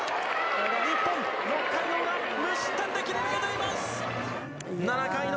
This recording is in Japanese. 日本、６回裏無失点で切り抜けています。